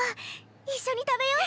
一緒に食べよっ。